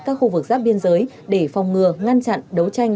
các khu vực giáp biên giới để phòng ngừa ngăn chặn đấu tranh